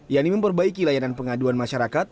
yang memperbaiki layanan pengaduan masyarakat